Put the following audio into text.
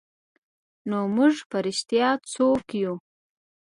نو موږ په رښتیا څوک یو؟